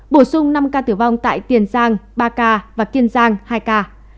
bổ sung năm ca tử vong tại tiền giang ba ca và kiên giang hai ca